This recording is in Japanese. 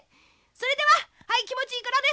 それでははいきもちいいからね。